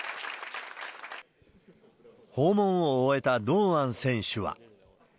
訪問を終えた堂安選手は。